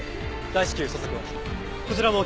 大至急捜索を。